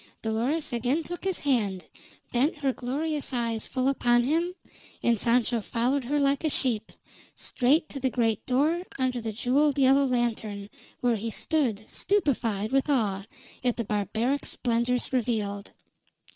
Dolores again took his hand, bent her glorious eyes full upon him, and Sancho followed her like a sheep, straight to the great door under the jeweled yellow lantern, where he stood, stupefied with awe at the barbaric splendors revealed.